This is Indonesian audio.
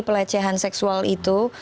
pelecehan seksual itu